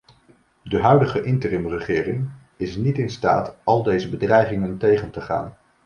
De huidige interim-regering is niet in staat al deze bedreigingen tegen te gaan.